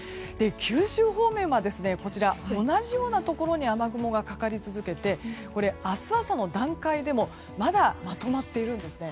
九州方面は、同じようなところに雨雲がかかり続けて明日朝の段階でもまだまとまっているんですね。